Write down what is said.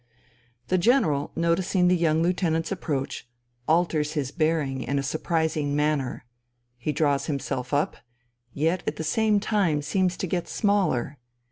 The general, noticing the young lieutenant's approach, alters his bearing in a surprising manner. He draws himself up, yet at the same time seems to get smaller.